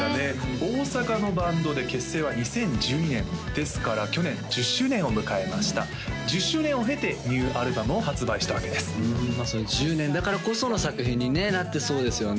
大阪のバンドで結成は２０１２年ですから去年１０周年を迎えました１０周年を経てニューアルバムを発売したわけですうんそういう１０年だからこその作品にねなってそうですよね